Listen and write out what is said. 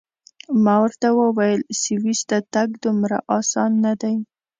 ما ورته وویل: سویس ته تګ دومره اسان نه دی.